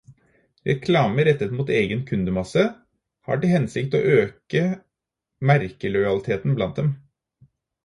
Reklame rettet mot egen kundemasse har til hensikt å øke merkelojaliteten blant dem.